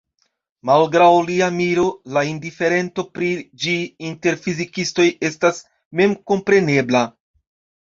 Malgraŭ lia miro, la indiferento pri ĝi inter fizikistoj estas memkomprenebla.